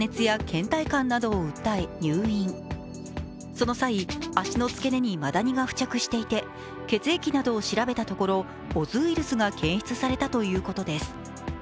その際、足のつけ根にマダニが付着していて、血液などを調べたところオズウイルスが検出されたということです。